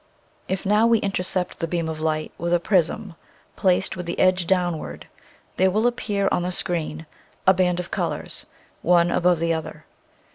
If now we intercept the beam of light with a prism placed with the edge downward there will appear on the screen a band of colors, one above the other.